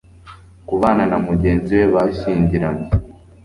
kubana na mugenzi we bashyingiranywe